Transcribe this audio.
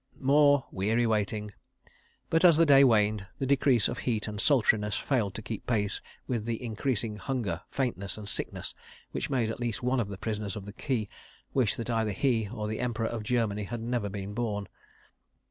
More weary waiting, but, as the day waned, the decrease of heat and sultriness failed to keep pace with the increasing hunger, faintness and sickness which made at least one of the prisoners of the quay wish that either he or the Emperor of Germany had never been born.